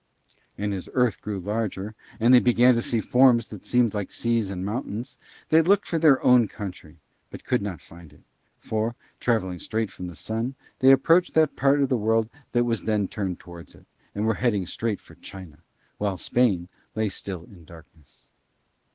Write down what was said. And as Earth grew larger, and they began to see forms that seemed like seas and mountains, they looked for their own country, but could not find it: for, travelling straight from the Sun, they approached that part of the world that was then turned towards it, and were heading straight for China, while Spain lay still in darkness.